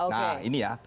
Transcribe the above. nah ini ya